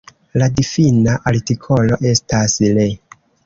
La difina artikolo estas Le.